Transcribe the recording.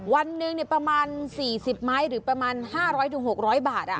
วันหนึ่งประมาณ๔๐ไม้หรือประมาณ๕๐๐๖๐๐บาท